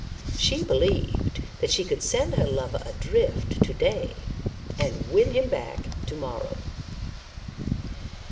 She believed that she could send her lover adrift to day and win him back to morrow.